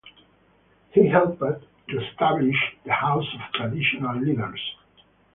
He helped to establish the house of traditional leaders.